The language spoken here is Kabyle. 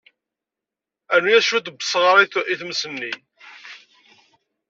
Rnu-as cwiṭ n usɣar i tmes-nni.